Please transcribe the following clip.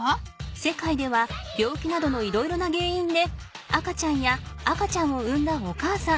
世界では病気などの色々なげんいんで赤ちゃんや赤ちゃんをうんだお母さん。